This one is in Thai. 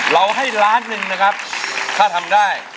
เราให้ล้านหนึ่งนะครับถ้าทำได้